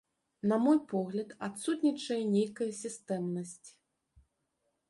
На мой погляд, адсутнічае нейкая сістэмнасць.